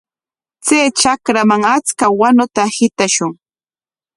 Chay trakraman achka wanuta hitashun.